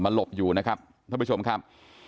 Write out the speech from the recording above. หลบอยู่นะครับท่านผู้ชมครับ